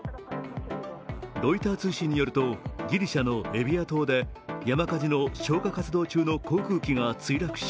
ロイター通信によるとギリシャのエビア島で山火事の消火活動中の航空機が墜落し、